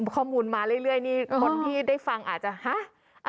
ข้อมูลมาเรื่อยนี่คนที่ได้ฟังอาจจะฮะ